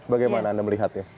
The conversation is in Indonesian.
bagaimana anda melihatnya